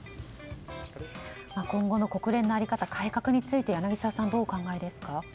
今後の国連の在り方改革について柳澤さんはどうお考えですか？